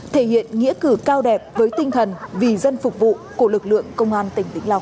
thể hiện nghĩa cử cao đẹp với tinh thần vì dân phục vụ của lực lượng công an tỉnh vĩnh long